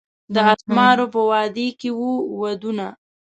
د اسمارو په وادي کښي وو ودونه